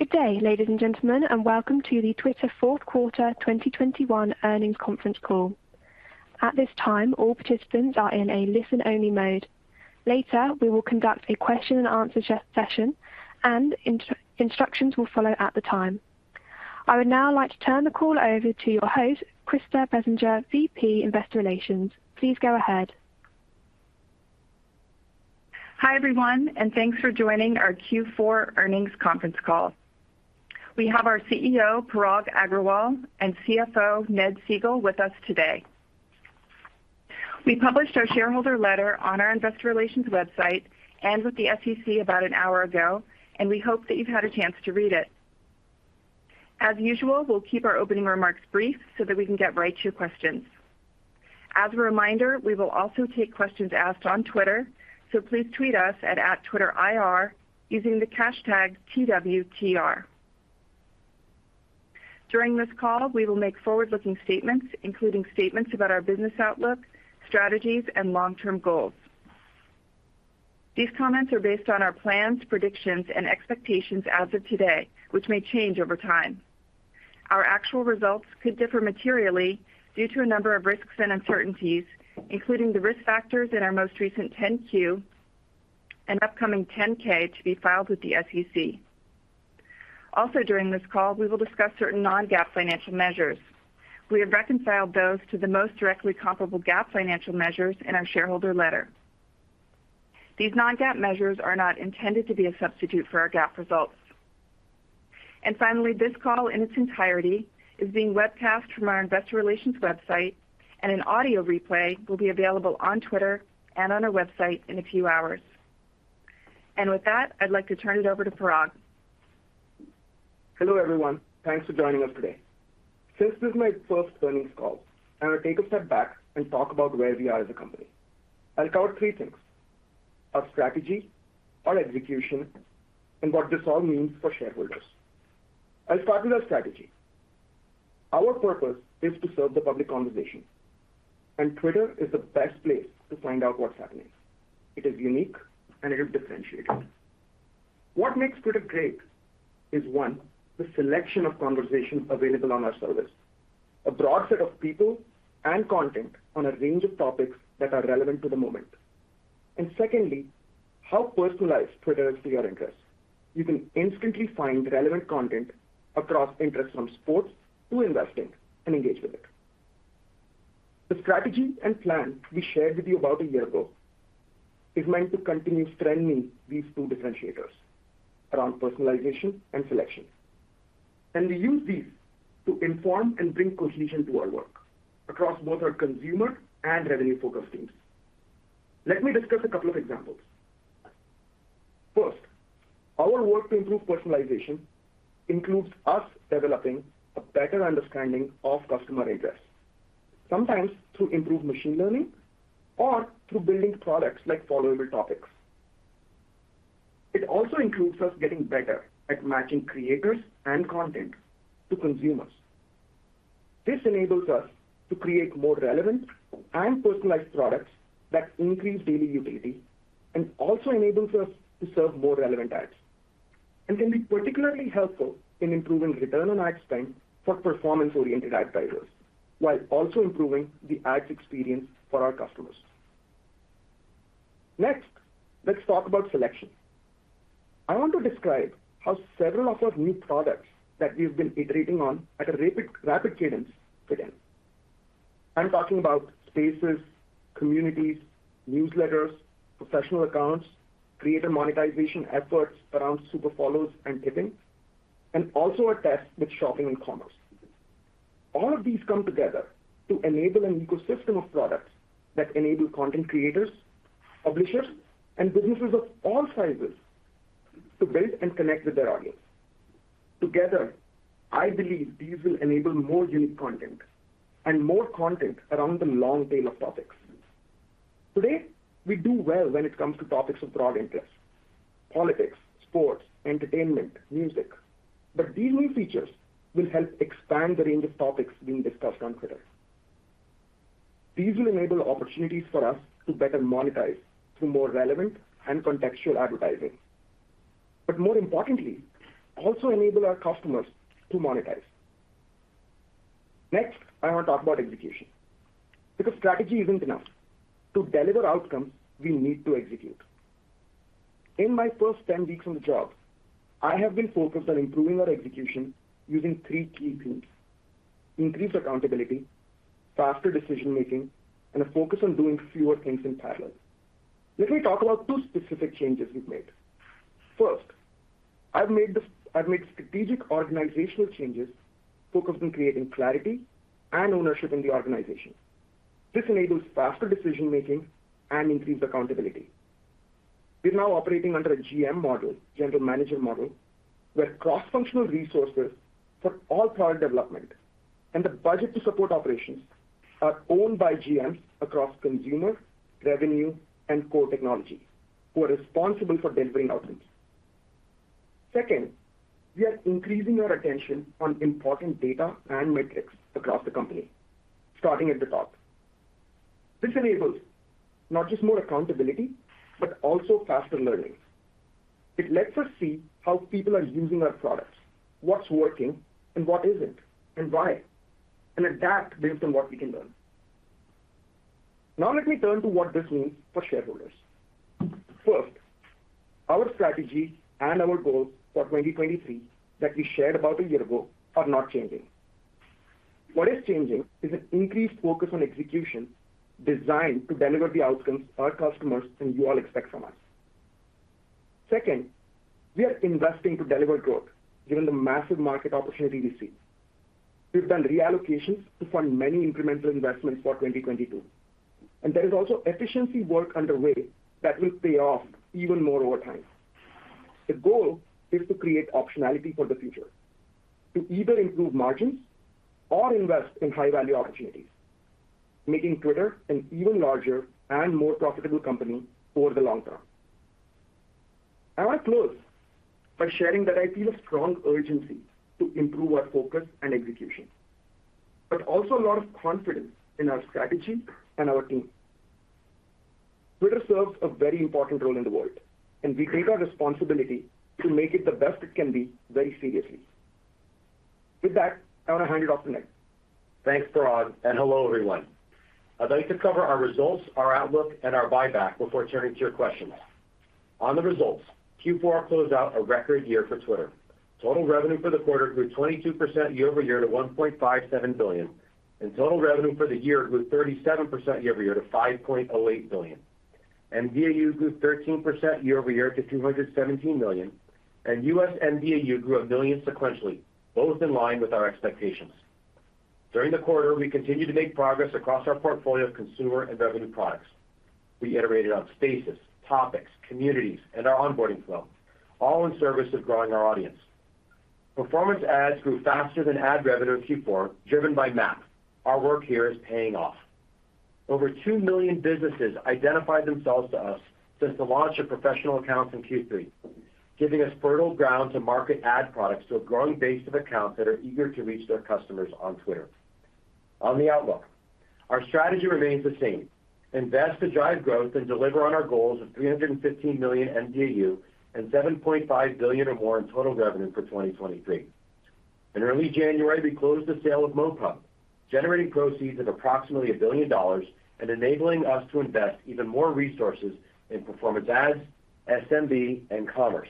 Good day, ladies and gentlemen, and welcome to the Twitter Fourth Quarter 2021 Earnings Conference Call. At this time, all participants are in a listen-only mode. Later, we will conduct a question and answer session and instructions will follow at the time. I would now like to turn the call over to your host, Krista Bessinger, VP, Investor Relations. Please go ahead. Hi, everyone, and thanks for joining our Q4 Earnings Conference Call. We have our CEO, Parag Agrawal, and CFO, Ned Segal, with us today. We published our shareholder letter on our investor relations website and with the SEC about an hour ago, and we hope that you've had a chance to read it. As usual, we'll keep our opening remarks brief so that we can get right to your questions. As a reminder, we will also take questions asked on Twitter, so please tweet us at @TwitterIR using the hashtag #TWTR. During this call, we will make forward-looking statements, including statements about our business outlook, strategies, and long-term goals. These comments are based on our plans, predictions, and expectations as of today, which may change over time. Our actual results could differ materially due to a number of risks and uncertainties, including the risk factors in our most recent 10-Q and upcoming 10-K to be filed with the SEC. Also, during this call, we will discuss certain non-GAAP financial measures. We have reconciled those to the most directly comparable GAAP financial measures in our shareholder letter. These non-GAAP measures are not intended to be a substitute for our GAAP results. Finally, this call in its entirety is being webcast from our investor relations website, and an audio replay will be available on Twitter and on our website in a few hours. With that, I'd like to turn it over to Parag. Hello, everyone. Thanks for joining us today. Since this is my first earnings call, I will take a step back and talk about where we are as a company. I'll cover three things, our strategy, our execution, and what this all means for shareholders. I'll start with our strategy. Our purpose is to serve the public conversation, and Twitter is the best place to find out what's happening. It is unique and it is differentiated. What makes Twitter great is, one, the selection of conversations available on our service, a broad set of people and content on a range of topics that are relevant to the moment. Secondly, how personalized Twitter is to your interest. You can instantly find relevant content across interests from sports to investing and engage with it. The strategy and plan we shared with you about a year ago is meant to continue strengthening these two differentiators around personalization and selection. We use these to inform and bring cohesion to our work across both our consumer and revenue focus teams. Let me discuss a couple of examples. First, our work to improve personalization includes us developing a better understanding of customer interests, sometimes through improved machine learning or through building products like followable topics. It also includes us getting better at matching creators and content to consumers. This enables us to create more relevant and personalized products that increase daily utility and also enables us to serve more relevant ads, and can be particularly helpful in improving return on ad spend for performance-oriented advertisers, while also improving the ads experience for our customers. Next, let's talk about selection. I want to describe how several of our new products that we've been iterating on at a rapid cadence fit in. I'm talking about Spaces, Communities, Newsletters, Professional Accounts, Creator Monetization efforts around Super Follows and tipping, and also our test with shopping and commerce. All of these come together to enable an ecosystem of products that enable content creators, publishers, and businesses of all sizes to build and connect with their audience. Together, I believe these will enable more unique content and more content around the long tail of topics. Today, we do well when it comes to topics of broad interest, politics, sports, entertainment, music. These new features will help expand the range of topics being discussed on Twitter. These will enable opportunities for us to better monetize through more relevant and contextual advertising, but more importantly, also enable our customers to monetize. Next, I want to talk about execution, because strategy isn't enough. To deliver outcomes, we need to execute. In my first 10 weeks on the job, I have been focused on improving our execution using three key themes: increased accountability, faster decision-making, and a focus on doing fewer things in parallel. Let me talk about two specific changes we've made. First, I've made strategic organizational changes focused on creating clarity and ownership in the organization. This enables faster decision-making and increased accountability. We are now operating under a GM model, general manager model, where cross-functional resources for all product development and the budget to support operations are owned by GMs across consumer, revenue, and core technology who are responsible for delivering outcomes. Second, we are increasing our attention on important data and metrics across the company, starting at the top. This enables not just more accountability, but also faster learning. It lets us see how people are using our products, what's working and what isn't, and why, and adapt based on what we can learn. Now let me turn to what this means for shareholders. First, our strategy and our goals for 2023 that we shared about a year ago are not changing. What is changing is an increased focus on execution designed to deliver the outcomes our customers and you all expect from us. Second, we are investing to deliver growth given the massive market opportunity we see. We've done reallocations to fund many incremental investments for 2022, and there is also efficiency work underway that will pay off even more over time. The goal is to create optionality for the future, to either improve margins or invest in high-value opportunities, making Twitter an even larger and more profitable company over the long term. I want to close by sharing that I feel a strong urgency to improve our focus and execution, but also a lot of confidence in our strategy and our team. Twitter serves a very important role in the world, and we take our responsibility to make it the best it can be very seriously. With that, I want to hand it off to Ned. Thanks, Parag, and hello, everyone. I'd like to cover our results, our outlook, and our buyback before turning to your questions. On the results, Q4 closed out a record year for Twitter. Total revenue for the quarter grew 22% year-over-year to $1.57 billion, and total revenue for the year grew 37% year-over-year to 5.08 billion. mDAU grew 13% year-over-year to $217 million, and U.S. mDAU grew one million sequentially, both in line with our expectations. During the quarter, we continued to make progress across our portfolio of consumer and revenue products. We iterated on Spaces, Topics, Communities, and our onboarding flow, all in service of growing our audience. Performance ads grew faster than ad revenue in Q4, driven by MAP. Our work here is paying off. Over two million businesses identified themselves to us since the launch of Professional Accounts in Q3, giving us fertile ground to market ad products to a growing base of accounts that are eager to reach their customers on Twitter. On the outlook, our strategy remains the same: invest to drive growth and deliver on our goals of 315 million mDAU and $7.5 billion or more in total revenue for 2023. In early January, we closed the sale of MoPub, generating proceeds of approximately $1 billion and enabling us to invest even more resources in performance ads, SMB, and commerce.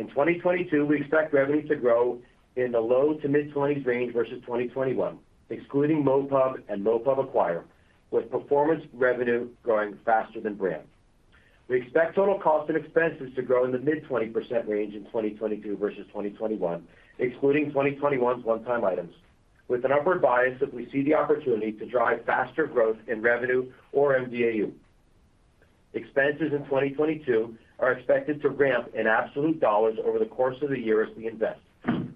In 2022, we expect revenue to grow in the low-to-mid-20s% range versus 2021, excluding MoPub and MoPub Acquire, with performance revenue growing faster than brand. We expect total cost and expenses to grow in the mid-20% range in 2022 versus 2021, excluding 2021's one-time items, with an upward bias if we see the opportunity to drive faster growth in revenue or mDAU. Expenses in 2022 are expected to ramp in absolute dollars over the course of the year as we invest.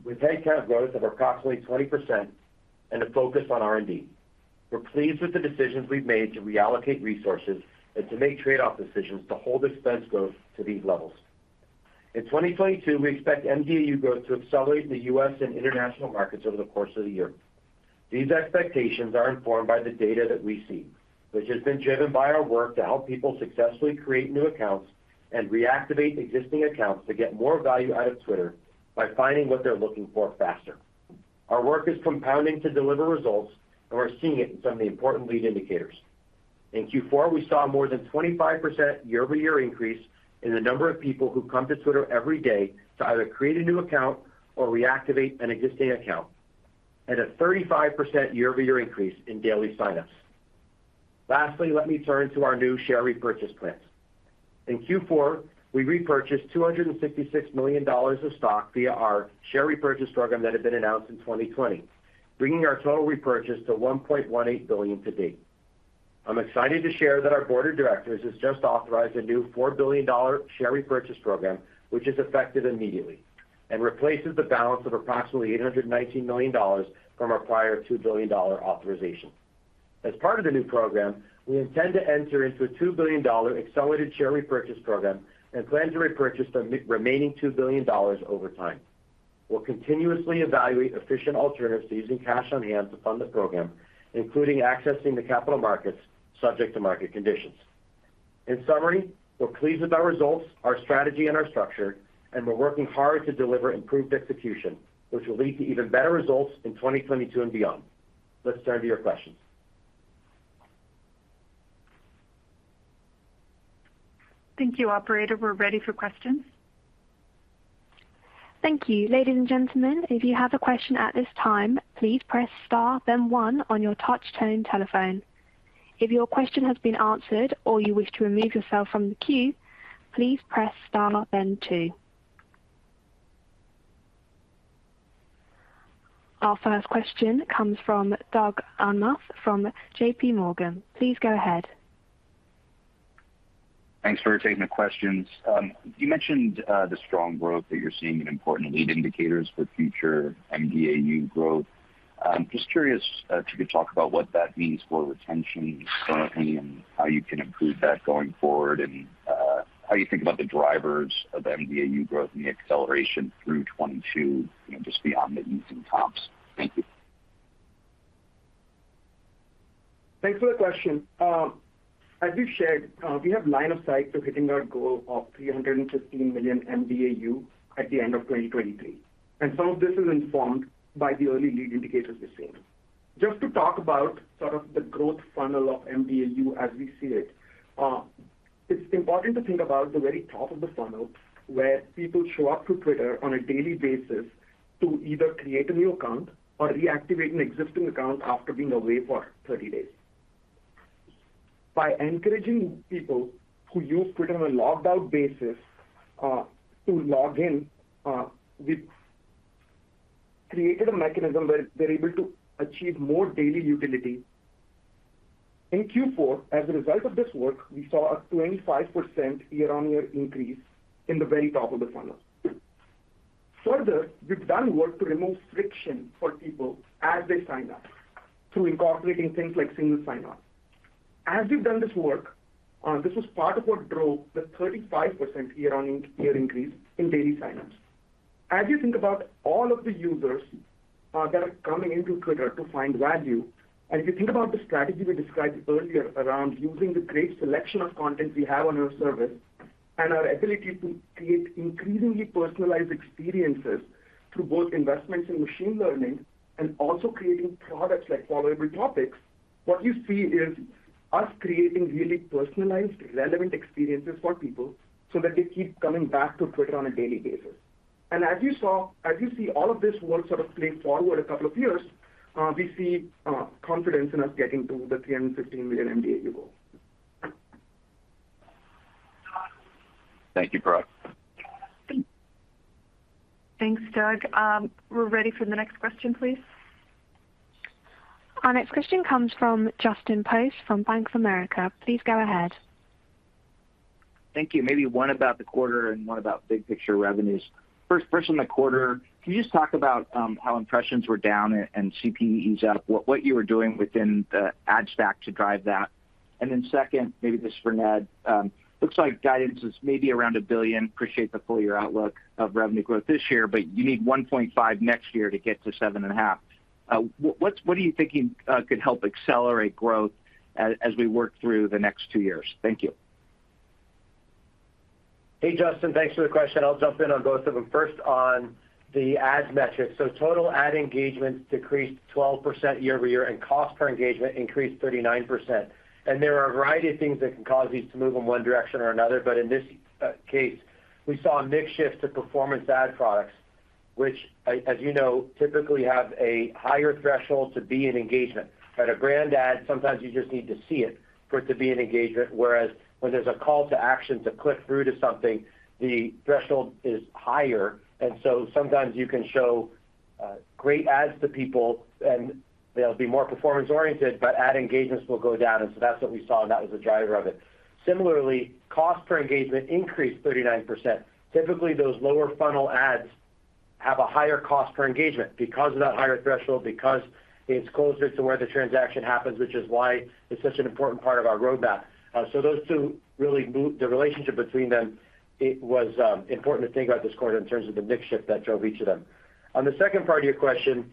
We've headcount growth of approximately 20% and a focus on R&D. We're pleased with the decisions we've made to reallocate resources and to make trade-off decisions to hold expense growth to these levels. In 2022, we expect mDAU growth to accelerate in the U.S. and international markets over the course of the year. These expectations are informed by the data that we see, which has been driven by our work to help people successfully create new accounts and reactivate existing accounts to get more value out of Twitter by finding what they're looking for faster. Our work is compounding to deliver results, and we're seeing it in some of the important lead indicators. In Q4, we saw more than 25% year-over-year increase in the number of people who come to Twitter every day to either create a new account or reactivate an existing account, and a 35% year-over-year increase in daily signups. Lastly, let me turn to our new share repurchase plan. In Q4, we repurchased $266 million of stock via our share repurchase program that had been announced in 2020, bringing our total repurchase to $1.18 billion to date. I'm excited to share that our board of directors has just authorized a new $4 billion share repurchase program, which is effective immediately and replaces the balance of approximately $819 million from our prior $2 billion authorization. As part of the new program, we intend to enter into a $2 billion accelerated share repurchase program and plan to repurchase the remaining $2 billion over time. We'll continuously evaluate efficient alternatives to using cash on hand to fund the program, including accessing the capital markets subject to market conditions. In summary, we're pleased with our results, our strategy, and our structure, and we're working hard to deliver improved execution, which will lead to even better results in 2022 and beyond. Let's turn to your questions. Thank you. Operator, we're ready for questions. Thank you. Our first question comes from Doug Anmuth from JPMorgan. Please go ahead. Thanks for taking the questions. You mentioned the strong growth that you're seeing in important lead indicators for future mDAU growth. I'm just curious, could you talk about what that means for retention. How can you improve that going forward, and how you think about the drivers of mDAU growth and the acceleration through 2022, you know, just beyond the easing comps? Thank you. Thanks for the question. As we've shared, we have line of sight to hitting our goal of 315 million mDAU at the end of 2023. Some of this is informed by the early lead indicators we're seeing. Just to talk about sort of the growth funnel of mDAU as we see it's important to think about the very top of the funnel where people show up to Twitter on a daily basis to either create a new account or reactivate an existing account after being away for 30 days. By encouraging people who use Twitter on a logged out basis, to log in, we've created a mechanism where they're able to achieve more daily utility. In Q4, as a result of this work, we saw a 25% year-over-year increase in the very top of the funnel. Further, we've done work to remove friction for people as they sign up, through incorporating things like single sign-on. As we've done this work, this was part of what drove the 35% year-on-year increase in daily sign-ups. As you think about all of the users that are coming into Twitter to find value, and if you think about the strategy we described earlier around using the great selection of content we have on our service and our ability to create increasingly personalized experiences through both investments in machine learning and also creating products like followable Topics, what you see is us creating really personalized, relevant experiences for people so that they keep coming back to Twitter on a daily basis. As you see all of this work sort of play forward a couple of years, we see confidence in us getting to the 315 million mDAU goal. Thank you, Parag. Thanks, Doug. We're ready for the next question, please. Our next question comes from Justin Post from Bank of America. Please go ahead. Thank you. Maybe one about the quarter and one about big picture revenues. First on the quarter, can you just talk about how impressions were down and CPE is up, what you were doing within the ad stack to drive that? Second, maybe this is for Ned. Looks like guidance is maybe around $1 billion. Appreciate the full-year outlook of revenue growth this year, but you need 1.5% next year to get to 7.5%. What are you thinking could help accelerate growth as we work through the next two years? Thank you. Hey, Justin, thanks for the question. I'll jump in on both of them. First on the ads metrics. Total ad engagements decreased 12% year-over-year, and cost per engagement increased 39%. There are a variety of things that can cause these to move in one direction or another, but in this case, we saw a mix shift to performance ad products, which as you know, typically have a higher threshold to be an engagement. At a brand ad, sometimes you just need to see it for it to be an engagement, whereas when there's a call to action to click through to something, the threshold is higher. Sometimes you can show great ads to people and they'll be more performance-oriented, but ad engagements will go down. That's what we saw, and that was the driver of it. Similarly, cost per engagement increased 39%. Typically, those lower funnel ads have a higher cost per engagement because of that higher threshold, because it's closer to where the transaction happens, which is why it's such an important part of our roadmap. Those two really move the relationship between them. It was important to think about this quarter in terms of the mix shift that drove each of them. On the second part of your question,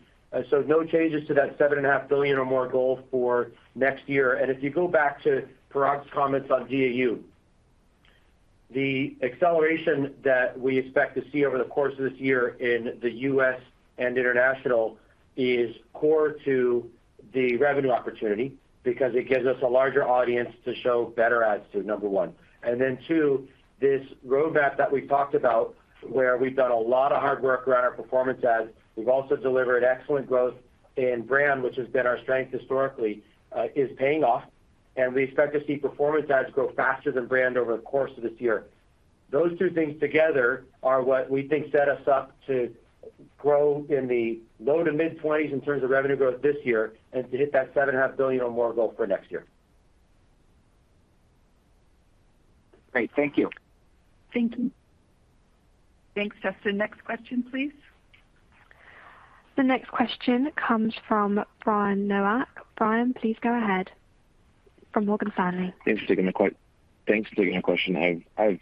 no changes to that $7.5 billion or more goal for next year. If you go back to Parag's comments on DAU, the acceleration that we expect to see over the course of this year in the U.S. and international is core to the revenue opportunity because it gives us a larger audience to show better ads to, number one. Two, this roadmap that we've talked about where we've done a lot of hard work around our performance ads, we've also delivered excellent growth in brand, which has been our strength historically, is paying off. We expect to see performance ads grow faster than brand over the course of this year. Those two things together are what we think set us up to grow in the low- to mid-20s% in terms of revenue growth this year and to hit that $7.5 billion or more goal for next year. Great. Thank you. Thank you. Thanks, Justin. Next question, please. The next question comes from Brian Nowak. Brian, please go ahead, from Morgan Stanley. Thanks for taking the question. I have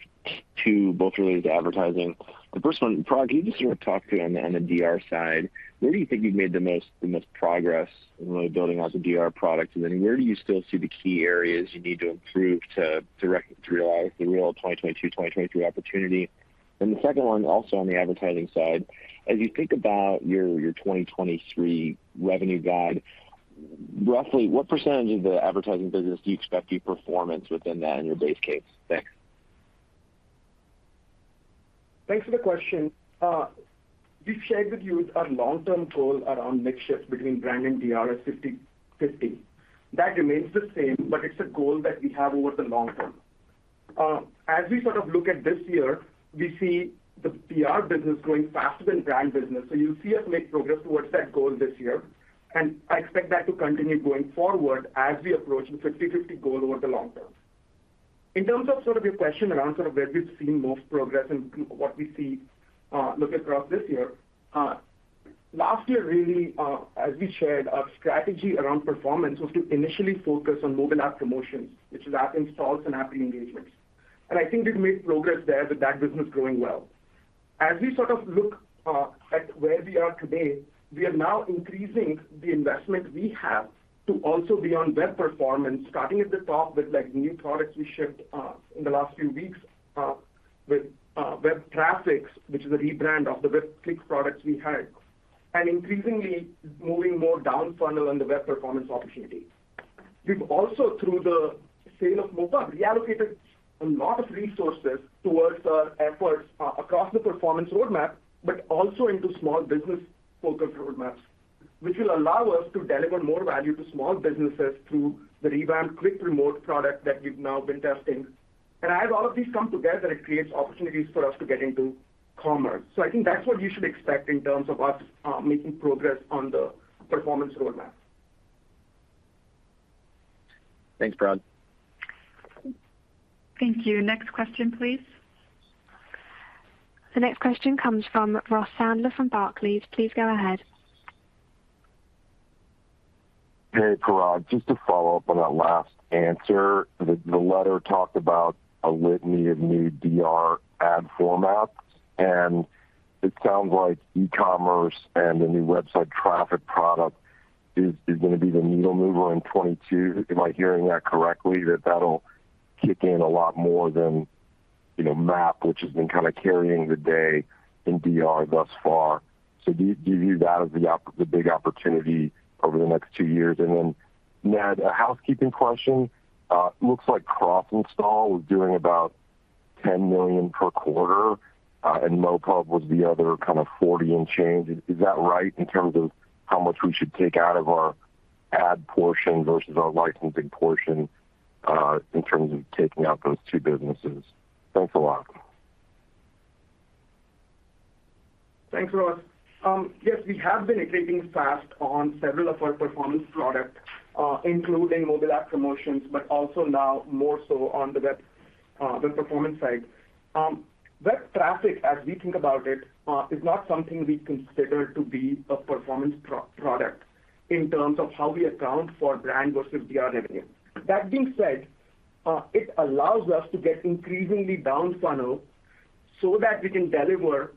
two, both related to advertising. The first one, Parag, can you just sort of talk to on the DR side, where do you think you've made the most progress in really building out the DR product? Where do you still see the key areas you need to improve to realize the real 2022, 2023 opportunity? The second one, also on the advertising side, as you think about your 2023 revenue guide, roughly what percentage of the advertising business do you expect to be performance within that in your base case? Thanks. Thanks for the question. We've shared with you our long-term goal around mix shift between brand and DR is 50/50. That remains the same, but it's a goal that we have over the long term. As we sort of look at this year, we see the DR business growing faster than brand business. You'll see us make progress towards that goal this year. I expect that to continue going forward as we approach the 50/50 goal over the long term. In terms of sort of your question around sort of where we've seen most progress and what we see, looking throughout this year. Last year, really, as we shared our strategy around performance was to initially focus on mobile app promotions, which is app installs and app engagements. I think we've made progress there with that business growing well. As we sort of look at where we are today, we are now increasing the investment we have to also be on web performance, starting at the top with like new products we shipped in the last few weeks with Web Traffic, which is a rebrand of the Website Clicks products we had, and increasingly moving more down funnel on the web performance opportunity. We've also, through the sale of MoPub, reallocated a lot of resources towards our efforts across the performance roadmap, but also into small business-focused roadmaps, which will allow us to deliver more value to small businesses through the revamped Quick Promote product that we've now been testing. As all of these come together, it creates opportunities for us to get into commerce. I think that's what you should expect in terms of us making progress on the performance roadmap. Thanks, Parag. Thank you. Next question, please. The next question comes from Ross Sandler from Barclays. Please go ahead. Hey, Parag, just to follow up on that last answer. The letter talked about a litany of new DR ad formats, and it sounds like e-commerce and the new Web Traffic product is gonna be the needle mover in 2022. Am I hearing that correctly, that that'll kick in a lot more than, you know, MAP, which has been kind of carrying the day in DR thus far? Do you view that as the big opportunity over the next two years? And then, Ned, a housekeeping question. Looks like CrossInstall was doing about $10 million per quarter, and MoPub was the other kind of $40 million and change. Is that right in terms of how much we should take out of our ad portion versus our licensing portion, in terms of taking out those two businesses? Thanks a lot. Thanks, Ross. Yes, we have been executing fast on several of our performance products, including mobile app promotions, but also now more so on the web performance side. Web Traffic, as we think about it, is not something we consider to be a performance product in terms of how we account for brand versus DR revenue. That being said, it allows us to get increasingly down funnel so that we can deliver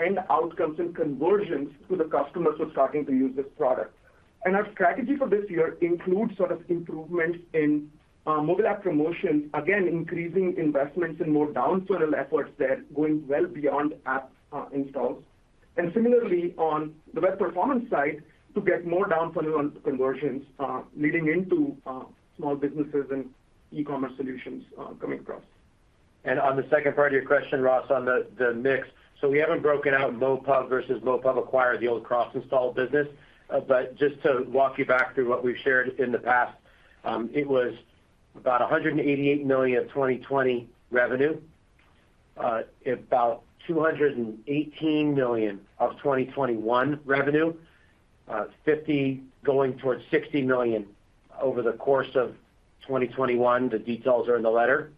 end outcomes and conversions to the customers who are starting to use this product. Our strategy for this year includes sort of improvements in mobile app promotion, again, increasing investments in more down funnel efforts there, going well beyond app installs. Similarly on the web performance side, to get more down funnel on conversions, leading into small businesses and e-commerce solutions coming across. On the second part of your question, Ross, on the mix. We haven't broken out MoPub versus MoPub Acquire, the old CrossInstall business. Just to walk you back through what we've shared in the past, it was about $188 million 2020 revenue, about $218 million of 2021 revenue, $50 million going towards $60 million over the course of 2021. The details are in the letter.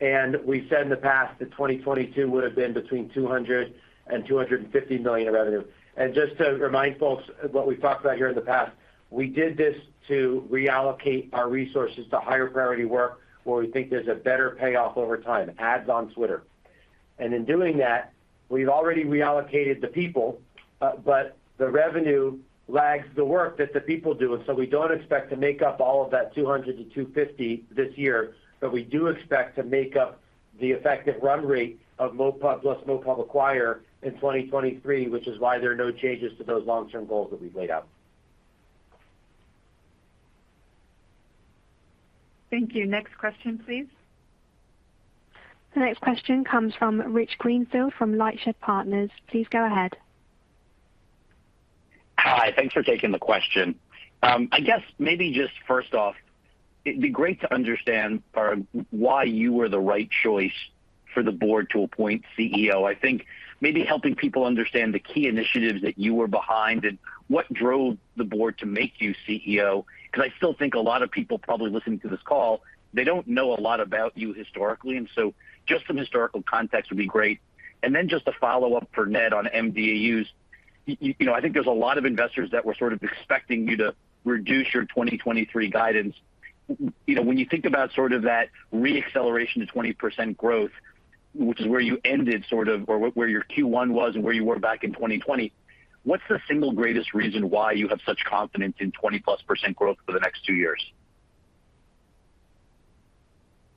We said in the past that 2022 would have been between $200 million and $250 million in revenue. Just to remind folks what we've talked about here in the past, we did this to reallocate our resources to higher priority work where we think there's a better payoff over time, ads on Twitter. In doing that, we've already reallocated the people, but the revenue lags the work that the people do. We don't expect to make up all of that $200-$250 this year. We do expect to make up the effective run rate of MoPub plus MoPub Acquire in 2023, which is why there are no changes to those long-term goals that we've laid out. Thank you. Next question, please. The next question comes from Rich Greenfield from LightShed Partners. Please go ahead. Hi. Thanks for taking the question. I guess maybe just first off, it'd be great to understand, Parag, why you were the right choice for the board to appoint CEO. I think maybe helping people understand the key initiatives that you were behind and what drove the board to make you CEO, 'cause I still think a lot of people probably listening to this call, they don't know a lot about you historically, and so just some historical context would be great. Then just a follow-up for Ned on mDAUs. You know, I think there's a lot of investors that were sort of expecting you to reduce your 2023 guidance. When, you know, when you think about sort of that re-acceleration to 20% growth, which is where you ended sort of or where your Q1 was and where you were back in 2020, what's the single greatest reason why you have such confidence in 20%+ growth for the next two years?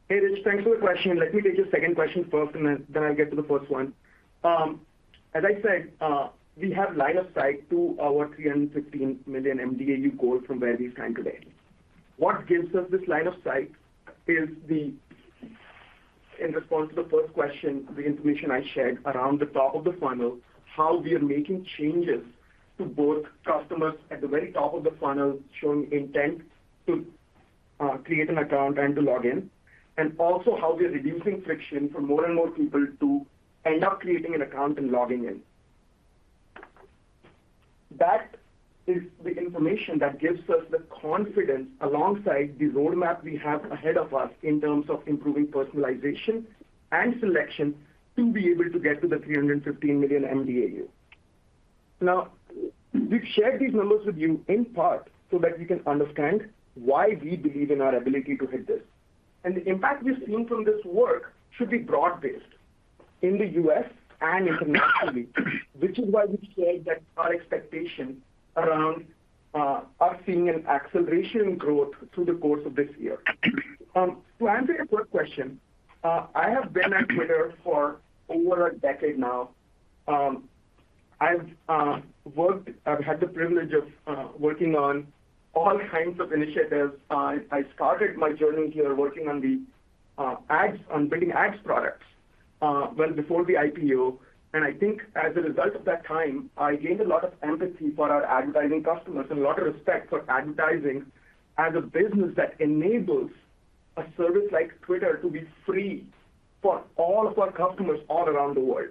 Hey, Rich, thanks for the question. Let me take your second question first and then I'll get to the first one. As I said, we have line of sight to our 315 million mDAU goal from where we stand today. What gives us this line of sight is the, in response to the first question, the information I shared around the top of the funnel, how we are making changes to both customers at the very top of the funnel showing intent to create an account and to log in, and also how we are reducing friction for more and more people to end up creating an account and logging in. That is the information that gives us the confidence alongside the roadmap we have ahead of us in terms of improving personalization and selection to be able to get to the 315 million mDAU. Now, we've shared these numbers with you in part so that you can understand why we believe in our ability to hit this. The impact we've seen from this work should be broad-based in the U.S. and internationally, which is why we say that our expectation around us seeing an acceleration in growth through the course of this year. To answer your third question, I have been at Twitter for over a decade now. I've had the privilege of working on all kinds of initiatives. I started my journey here working on building ads products, well before the IPO. I think as a result of that time, I gained a lot of empathy for our advertising customers and a lot of respect for advertising as a business that enables a service like Twitter to be free for all of our customers all around the world.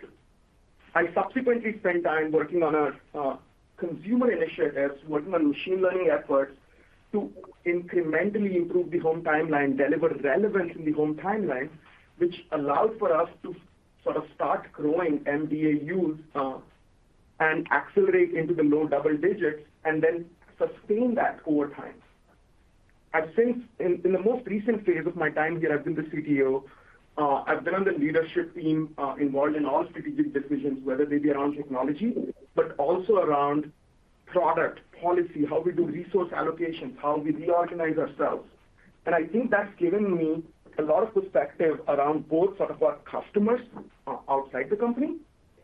I subsequently spent time working on consumer initiatives, working on machine learning efforts to incrementally improve the home timeline, deliver relevance in the home timeline, which allowed for us to sort of start growing mDAUs and accelerate into the low double digits and then sustain that over time. I've since, in the most recent phase of my time here, I've been the CTO. I've been on the leadership team, involved in all strategic decisions, whether they be around technology, but also around product, policy, how we do resource allocation, how we reorganize ourselves. I think that's given me a lot of perspective around both sort of our customers outside the company,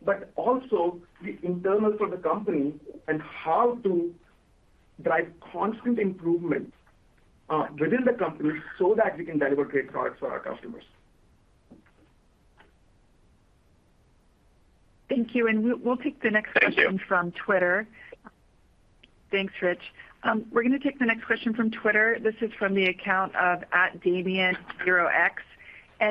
but also the internal for the company and how to drive constant improvement within the company so that we can deliver great products for our customers. Thank you. We'll take the next question from Twitter. Thank you. Thanks, Rich. We're gonna take the next question from Twitter. This is from the account of @Damian0X.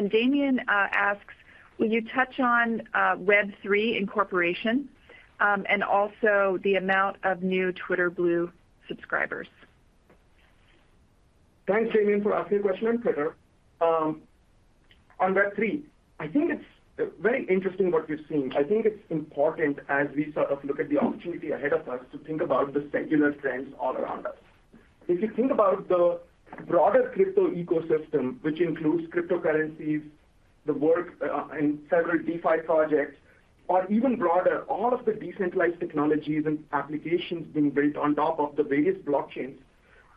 Damian asks: Will you touch on Web3 incorporation and also the amount of new Twitter Blue subscribers? Thanks, Damian, for asking a question on Twitter. On Web3, I think it's very interesting what we're seeing. I think it's important as we sort of look at the opportunity ahead of us to think about the secular trends all around us. If you think about the broader crypto ecosystem, which includes cryptocurrencies, the work in several DeFi projects, or even broader, all of the decentralized technologies and applications being built on top of the various blockchains,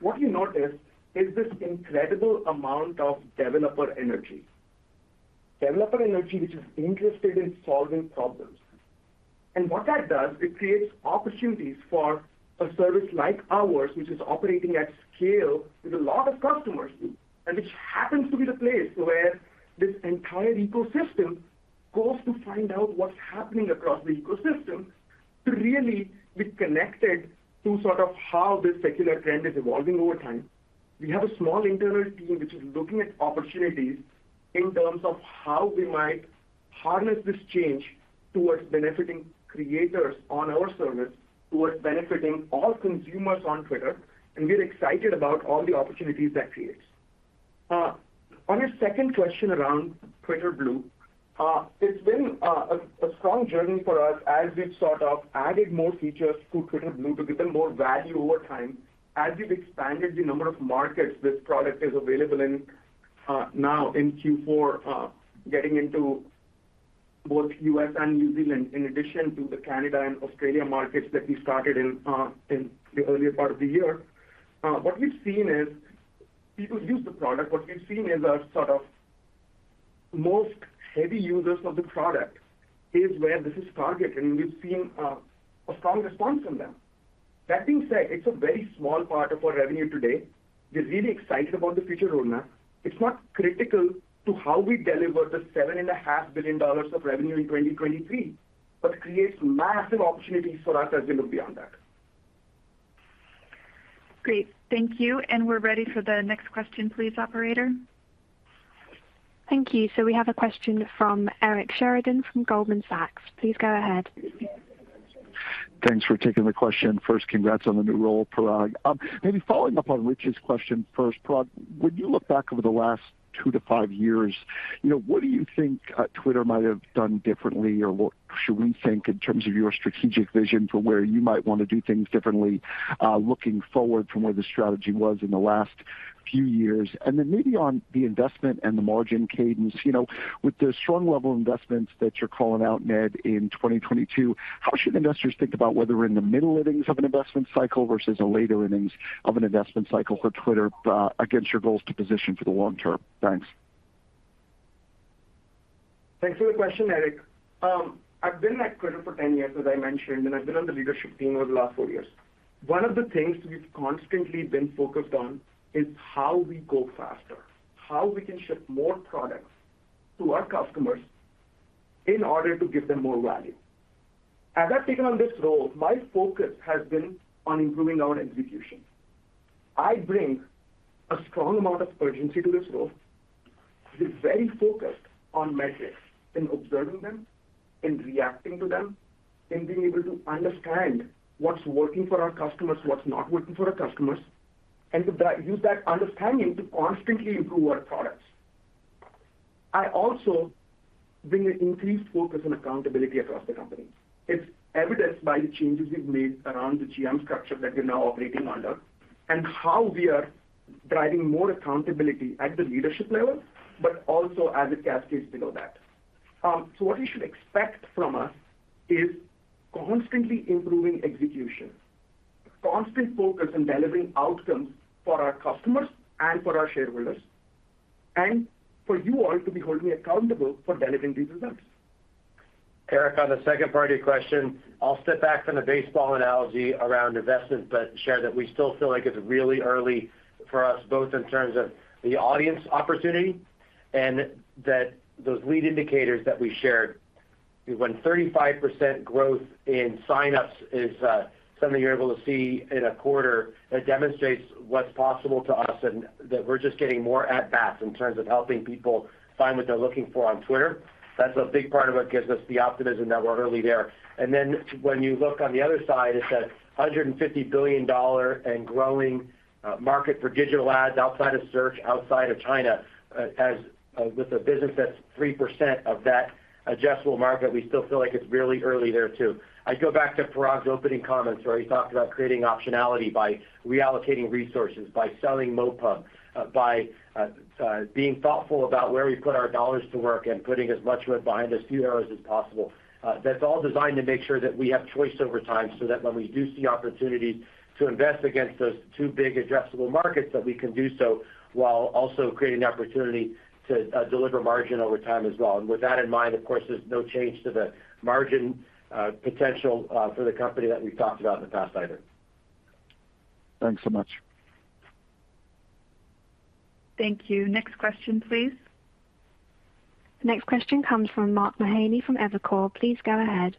what you notice is this incredible amount of developer energy. Developer energy which is interested in solving problems. What that does, it creates opportunities for a service like ours, which is operating at scale with a lot of customers, and which happens to be the place where this entire ecosystem goes to find out what's happening across the ecosystem, to really be connected to sort of how this secular trend is evolving over time. We have a small internal team which is looking at opportunities in terms of how we might harness this change towards benefiting creators on our service, towards benefiting all consumers on Twitter, and we're excited about all the opportunities that creates. On your second question around Twitter Blue, it's been a strong journey for us as we've sort of added more features to Twitter Blue to give them more value over time. As we've expanded the number of markets this product is available in, now in Q4, getting into both U.S. and New Zealand, in addition to the Canada and Australia markets that we started in the earlier part of the year, what we've seen is people use the product. What we've seen is our sort of most heavy users of the product is where this is targeted, and we've seen a strong response from them. That being said, it's a very small part of our revenue today. We're really excited about the future roadmap. It's not critical to how we deliver the $7.5 billion of revenue in 2023. It creates massive opportunities for us as we look beyond that. Great. Thank you. We're ready for the next question, please, operator. Thank you. We have a question from Eric Sheridan from Goldman Sachs. Please go ahead. Thanks for taking the question. First, congrats on the new role, Parag. Maybe following up on Rich's question first. Parag, when you look back over the last two to five years, you know, what do you think, Twitter might have done differently? Or what should we think in terms of your strategic vision for where you might wanna do things differently, looking forward from where the strategy was in the last few years? Maybe on the investment and the margin cadence. You know, with the strong level investments that you're calling out, Ned, in 2022, how should investors think about whether we're in the middle innings of an investment cycle versus a later innings of an investment cycle for Twitter, against your goals to position for the long term? Thanks. Thanks for the question, Eric. I've been at Twitter for 10 years, as I mentioned, and I've been on the leadership team over the last four years. One of the things we've constantly been focused on is how we go faster, how we can ship more products to our customers in order to give them more value. As I've taken on this role, my focus has been on improving our execution. I bring a strong amount of urgency to this role. We're very focused on metrics and observing them and reacting to them and being able to understand what's working for our customers, what's not working for our customers, and to use that understanding to constantly improve our products. I also bring an increased focus on accountability across the company. It's evidenced by the changes we've made around the GM structure that we're now operating under and how we are driving more accountability at the leadership level, but also as it cascades below that. What you should expect from us is constantly improving execution, constant focus on delivering outcomes for our customers and for our shareholders, and for you all to be holding me accountable for delivering these results. Eric, on the second part of your question, I'll step back from the baseball analogy around investment, but share that we still feel like it's really early for us, both in terms of the audience opportunity and that those lead indicators that we shared. When 35% growth in sign-ups is something you're able to see in a quarter, that demonstrates what's possible to us and that we're just getting more at-bats in terms of helping people find what they're looking for on Twitter. That's a big part of what gives us the optimism that we're early there. When you look on the other side, it's that $150 billion and growing market for digital ads outside of search, outside of China, as with a business that's 3% of that addressable market, we still feel like it's really early there too. I go back to Parag's opening comments where he talked about creating optionality by reallocating resources, by selling MoPub, by being thoughtful about where we put our dollars to work and putting as much of it behind as few arrows as possible. That's all designed to make sure that we have choice over time, so that when we do see opportunities to invest against those two big addressable markets, that we can do so while also creating opportunity to deliver margin over time as well. With that in mind, of course, there's no change to the margin potential for the company that we've talked about in the past either. Thanks so much. Thank you. Next question, please. The next question comes from Mark Mahaney from Evercore. Please go ahead.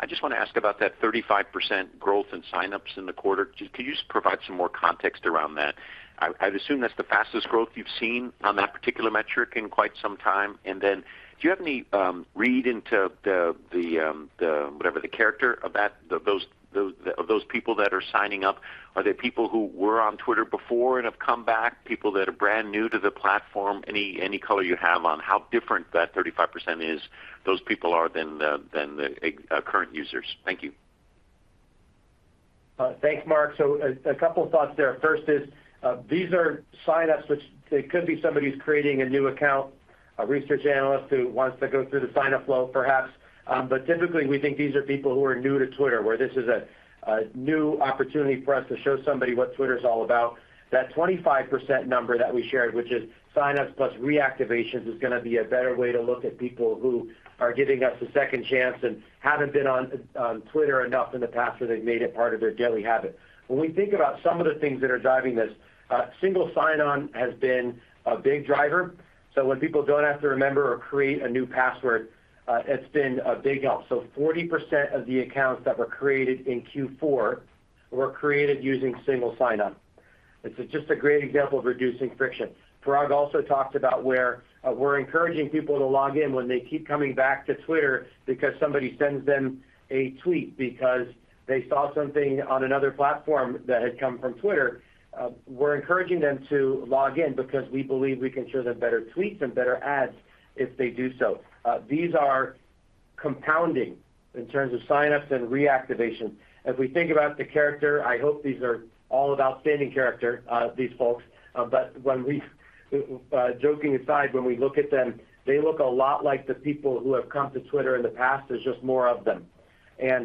I just wanna ask about that 35% growth in sign-ups in the quarter. Can you just provide some more context around that? I'd assume that's the fastest growth you've seen on that particular metric in quite some time. Then do you have any read on the character of those people that are signing up? Are they people who were on Twitter before and have come back, people that are brand new to the platform? Any color you have on how different those people are than the current users? Thank you. Thanks, Mark. A couple thoughts there. First, these are sign-ups, which they could be somebody who's creating a new account, a research analyst who wants to go through the sign-up flow, perhaps. But typically, we think these are people who are new to Twitter, where this is a new opportunity for us to show somebody what Twitter's all about. That 25% number that we shared, which is sign-ups plus reactivations, is gonna be a better way to look at people who are giving us a second chance and haven't been on Twitter enough in the past where they've made it part of their daily habit. When we think about some of the things that are driving this, single sign-on has been a big driver. When people don't have to remember or create a new password, it's been a big help. 40% of the accounts that were created in Q4 were created using single sign-on. It's just a great example of reducing friction. Parag also talked about where we're encouraging people to log in when they keep coming back to Twitter because somebody sends them a tweet because they saw something on another platform that had come from Twitter. We're encouraging them to log in because we believe we can show them better tweets and better ads if they do so. These are compounding in terms of sign-ups and reactivation. As we think about the character, I hope these are all of outstanding character, these folks. Joking aside, when we look at them, they look a lot like the people who have come to Twitter in the past. There's just more of them.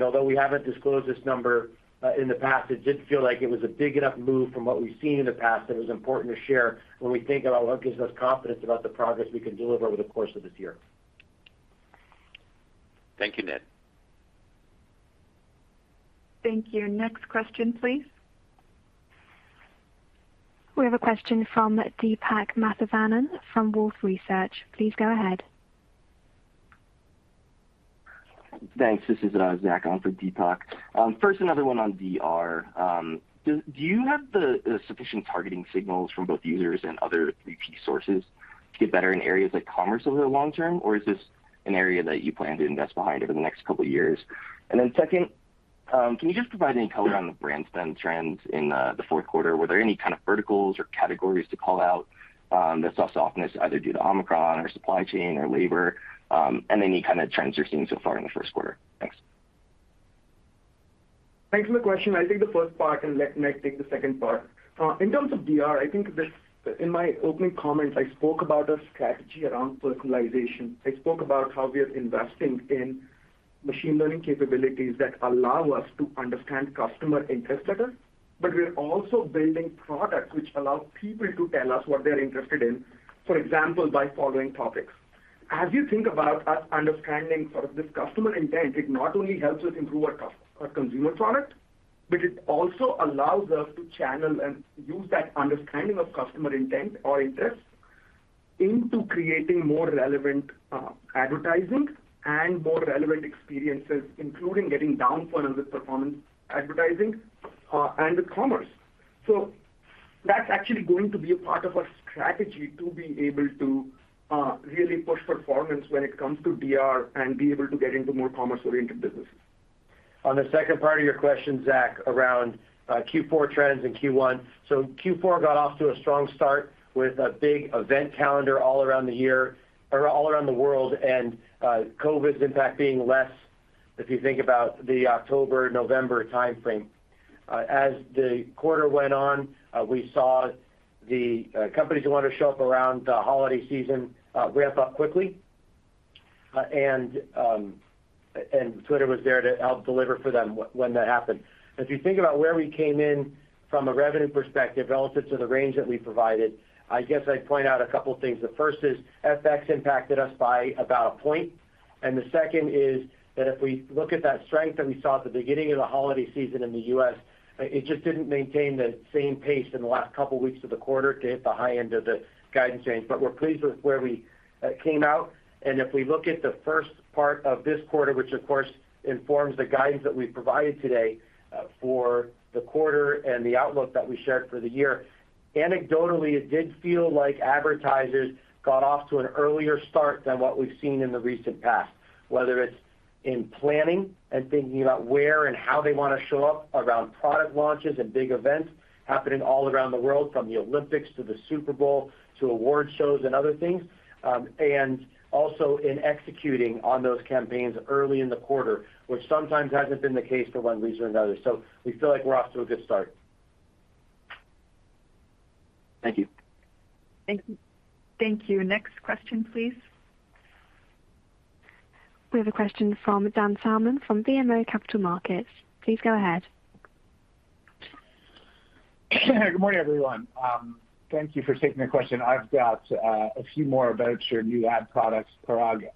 Although we haven't disclosed this number in the past, it did feel like it was a big enough move from what we've seen in the past that it was important to share when we think about what gives us confidence about the progress we can deliver over the course of this year. Thank you, Ned. Thank you. Next question, please. We have a question from Deepak Mathivanan from Wolfe Research. Please go ahead. Thanks. This is Zach on for Deepak. First, another one on DR. Do you have the sufficient targeting signals from both users and other third-party sources to get better in areas like commerce over the long term? Or is this an area that you plan to invest behind over the next couple of years? Second, can you just provide any color on the brand spend trends in the fourth quarter? Were there any kind of verticals or categories to call out that saw softness either due to Omicron or supply chain or labor? And any kind of trends you're seeing so far in the first quarter? Thanks. Thanks for the question. I'll take the first part and let Ned take the second part. In terms of DR, I think this, in my opening comments, I spoke about a strategy around personalization. I spoke about how we are investing in machine learning capabilities that allow us to understand customer interest better, but we're also building products which allow people to tell us what they're interested in, for example, by following Topics. As you think about us understanding sort of this customer intent, it not only helps us improve our consumer product, but it also allows us to channel and use that understanding of customer intent or interest. Into creating more relevant advertising and more relevant experiences, including getting down funnel with performance advertising, and with commerce. That's actually going to be a part of our strategy to be able to really push performance when it comes to DR and be able to get into more commerce-oriented businesses. On the second part of your question, Zach, around Q4 trends and Q1. Q4 got off to a strong start with a big event calendar all around the year or all around the world, and COVID's impact being less if you think about the October-November timeframe. As the quarter went on, we saw the companies who wanna show up around the holiday season ramp up quickly, and Twitter was there to help deliver for them when that happened. If you think about where we came in from a revenue perspective relative to the range that we provided, I guess I'd point out a couple things. The first is FX impacted us by about a point. The second is that if we look at that strength that we saw at the beginning of the holiday season in the U.S., it just didn't maintain the same pace in the last couple weeks of the quarter to hit the high end of the guidance range. But we're pleased with where we came out. If we look at the first part of this quarter, which of course informs the guidance that we provided today for the quarter and the outlook that we shared for the year, anecdotally, it did feel like advertisers got off to an earlier start than what we've seen in the recent past, whether it's in planning and thinking about where and how they wanna show up around product launches and big events happening all around the world, from the Olympics to the Super Bowl to award shows and other things. in executing on those campaigns early in the quarter, which sometimes hasn't been the case for one reason or another. We feel like we're off to a good start. Thank you. Thank you. Next question, please. We have a question from Dan Salmon from BMO Capital Markets. Please go ahead. Good morning, everyone. Thank you for taking the question. I've got a few more about your new ad products, Parag.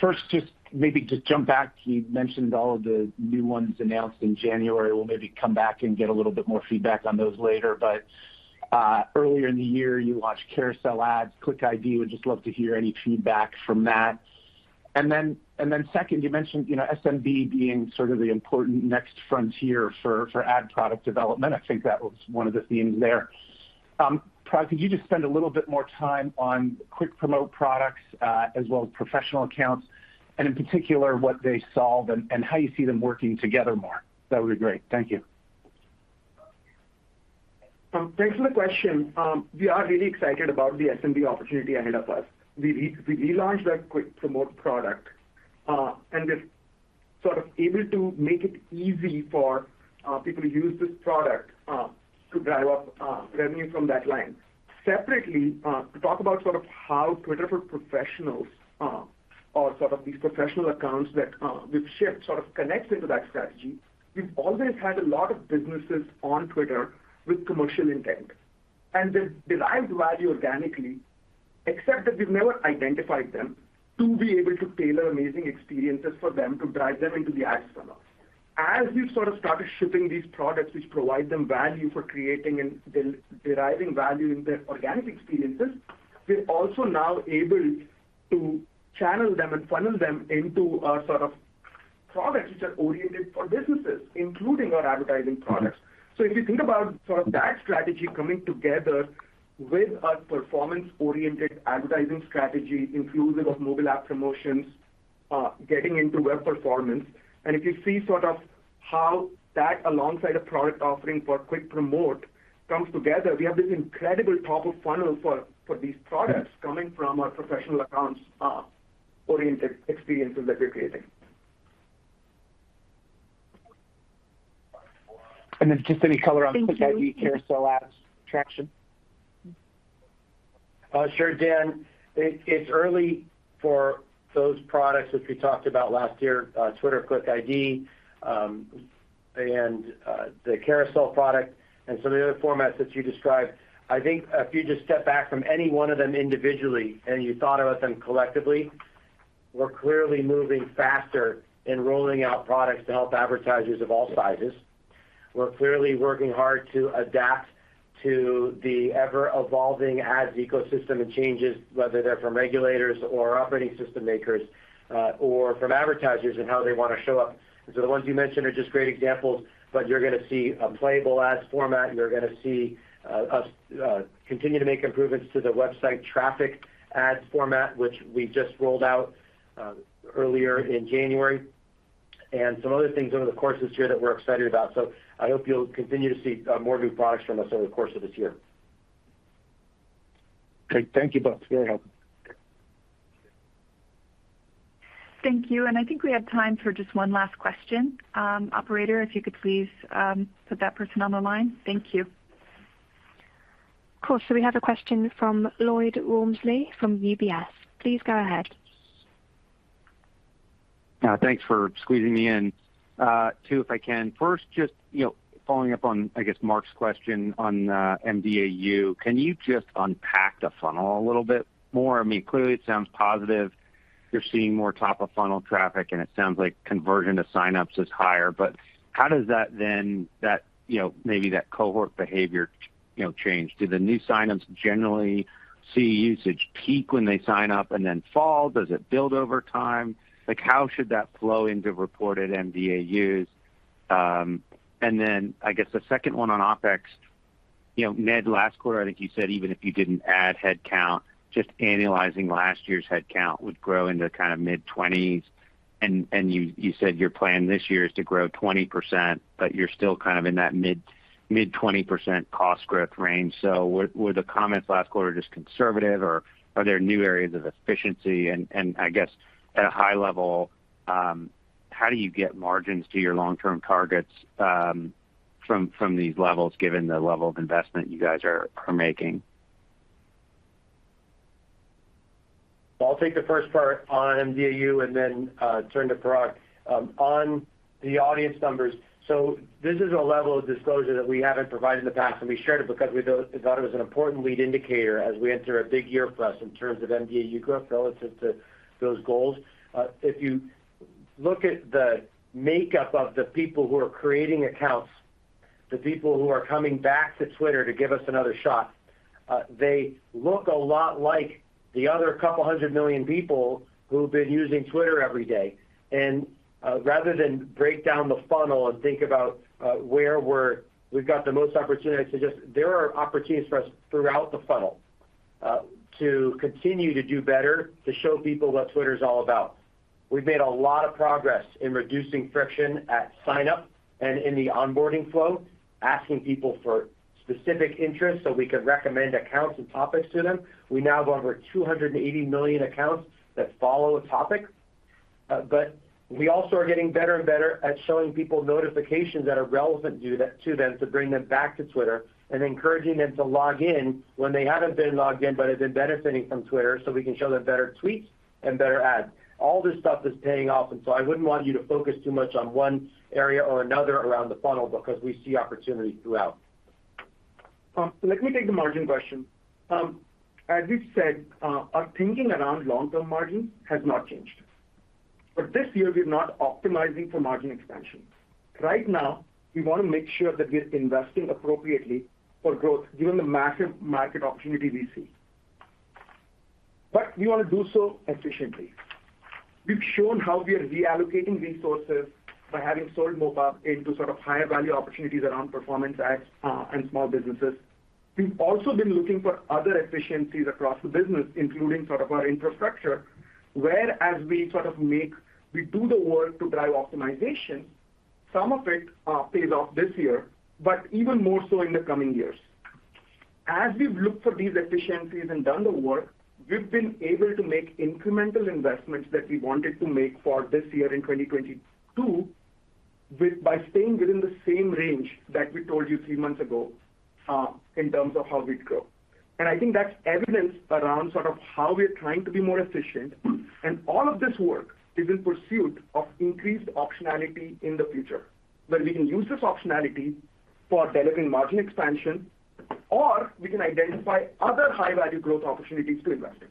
First, just maybe to jump back, you mentioned all of the new ones announced in January. We'll maybe come back and get a little bit more feedback on those later. Earlier in the year, you launched Carousel Ads, Click ID. Would just love to hear any feedback from that. Then second, you mentioned, you know, SMB being sort of the important next frontier for ad product development. I think that was one of the themes there. Parag, could you just spend a little bit more time on Quick Promote products, as well as Professional Accounts, and in particular, what they solve and how you see them working together more? That would be great. Thank you. Thanks for the question. We are really excited about the SMB opportunity ahead of us. We relaunched that Quick Promote product, and we're sort of able to make it easy for people to use this product to drive up revenue from that line. Separately, to talk about sort of how Twitter for Professionals, or sort of these Professional Accounts that we've shipped sort of connects into that strategy. We've always had a lot of businesses on Twitter with commercial intent, and they derive value organically, except that we've never identified them to be able to tailor amazing experiences for them to drive them into the ads funnel. As we've sort of started shipping these products, which provide them value for creating and deriving value in their organic experiences, we're also now able to channel them and funnel them into sort of products which are oriented for businesses, including our advertising products. If you think about sort of that strategy coming together with our performance-oriented advertising strategy, inclusive of mobile app promotions, getting into web performance, and if you see sort of how that alongside a product offering for Quick Promote comes together, we have this incredible top of funnel for these products coming from our Professional Accounts, oriented experiences that we're creating. Just any color on- Thank you. Click ID, Carousel Ads traction. Sure, Dan. It's early for those products, which we talked about last year, Twitter Click ID, and the Carousel product and some of the other formats that you described. I think if you just step back from any one of them individually and you thought about them collectively, we're clearly moving faster in rolling out products to help advertisers of all sizes. We're clearly working hard to adapt to the ever-evolving ads ecosystem and changes, whether they're from regulators or operating system makers, or from advertisers and how they wanna show up. The ones you mentioned are just great examples, but you're gonna see a playable ads format. You're gonna see us continue to make improvements to the Web Traffic ad format, which we just rolled out earlier in January, and some other things over the course of this year that we're excited about. I hope you'll continue to see more new products from us over the course of this year. Great. Thank you both. Very helpful. Thank you. I think we have time for just one last question. Operator, if you could please put that person on the line. Thank you. Of course. We have a question from Lloyd Walmsley from UBS. Please go ahead. Thanks for squeezing me in. Two, if I can. First, just, you know, following up on, I guess, Mark's question on MDAU. Can you just unpack the funnel a little bit more? I mean, clearly it sounds positive. You're seeing more top of funnel traffic, and it sounds like conversion to sign-ups is higher, but how does that then, you know, maybe that cohort behavior change? Do the new sign-ups generally see usage peak when they sign up and then fall? Does it build over time? Like how should that flow into reported mDAU? And then I guess the second one on OpEx, you know, Ned, last quarter, I think you said even if you didn't add headcount, just annualizing last year's head count would grow into kind of mid-20s and you said your plan this year is to grow 20%, but you're still kind of in that mid-20% cost growth range. Were the comments last quarter just conservative or are there new areas of efficiency? I guess at a high-level, how do you get margins to your long-term targets from these levels given the level of investment you guys are making? I'll take the first part on mDAU and then turn to Parag. On the audience numbers, this is a level of disclosure that we haven't provided in the past, and we shared it because we thought it was an important lead indicator as we enter a big year for us in terms of mDAU growth relative to those goals. If you look at the makeup of the people who are creating accounts, the people who are coming back to Twitter to give us another shot, they look a lot like the other couple hundred million people who've been using Twitter every day. Rather than break down the funnel and think about where we've got the most opportunity, I suggest there are opportunities for us throughout the funnel to continue to do better, to show people what Twitter is all about. We've made a lot of progress in reducing friction at sign up and in the onboarding flow, asking people for specific interests so we could recommend accounts and Topics to them. We now have over 280 million accounts that follow a Topic, but we also are getting better and better at showing people notifications that are relevant to them to bring them back to Twitter and encouraging them to log in when they haven't been logged in but have been benefiting from Twitter so we can show them better tweets and better ads. All this stuff is paying off. I wouldn't want you to focus too much on one area or another around the funnel because we see opportunities throughout. Let me take the margin question. As we've said, our thinking around long-term margins has not changed. For this year, we're not optimizing for margin expansion. Right now, we want to make sure that we're investing appropriately for growth given the massive market opportunity we see. We want to do so efficiently. We've shown how we are reallocating resources by having sold MoPub into sort of higher value opportunities around performance ads, and small businesses. We've also been looking for other efficiencies across the business, including sort of our infrastructure, where we sort of do the work to drive optimization. Some of it pays off this year, but even more so in the coming years. As we've looked for these efficiencies and done the work, we've been able to make incremental investments that we wanted to make for this year in 2022 by staying within the same range that we told you three months ago, in terms of how we'd grow. I think that's evidence around sort of how we're trying to be more efficient. All of this work is in pursuit of increased optionality in the future, where we can use this optionality for delivering margin expansion, or we can identify other high-value growth opportunities to invest in.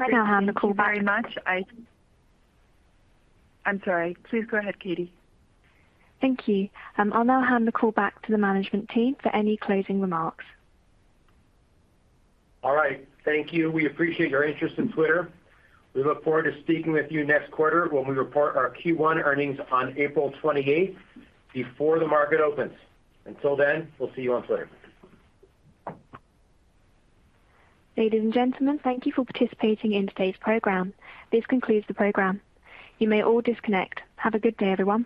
I now hand the call back. Thank you very much. I'm sorry. Please go ahead, Katie. Thank you. I'll now hand the call back to the management team for any closing remarks. All right. Thank you. We appreciate your interest in Twitter. We look forward to speaking with you next quarter when we report our Q1 earnings on April 28 before the market opens. Until then, we'll see you on Twitter. Ladies and gentlemen, thank you for participating in today's program. This concludes the program. You may all disconnect. Have a good day, everyone.